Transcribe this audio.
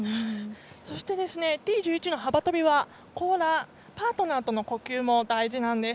そしてＴ１１の幅跳びはコーラーパートナーとの呼吸も大事なんです。